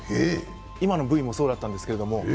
今のＶもそうだったんですけど。